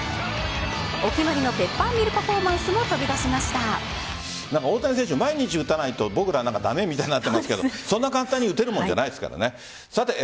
お決まりのペッパーミルパフォーマンスも大谷選手は毎日打たないと僕らなんか駄目みたいになっていますけどそんな簡単に打てるもんじゃないですからね。